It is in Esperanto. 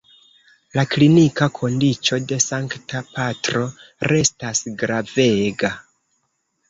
La klinika kondiĉo de la Sankta Patro restas gravega.